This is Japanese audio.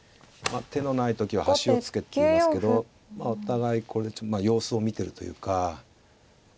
「手のない時は端歩を突け」っていいますけどお互いここで様子を見てるというか。